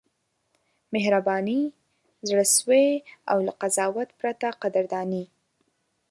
مهرباني، زړه سوی او له قضاوت پرته قدرداني: